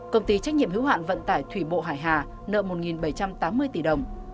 công ty trách nhiệm hữu hạn vận tải thủy bộ hải hà nợ một bảy trăm tám mươi tỷ đồng